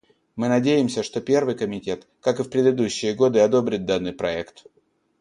Мы надеемся, что Первый комитет, как и в предыдущие годы, одобрит данный проект.